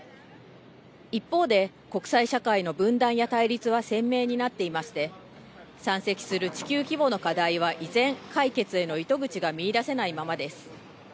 一方で国際社会の分断や対立は鮮明になっていまして山積する地球規模の課題は依然、解決への糸口が見いだせないままです。